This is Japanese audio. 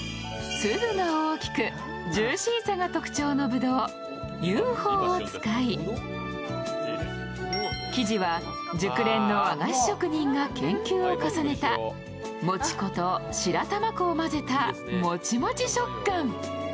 粒が大きくジューシーさが特徴のぶどう、雄宝を使い、生地は熟練の和菓子職人が研究を重ねた餅粉と白玉粉を混ぜたもちもち食感。